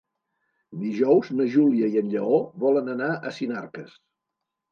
Dijous na Júlia i en Lleó volen anar a Sinarques.